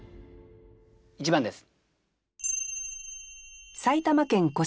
１番です。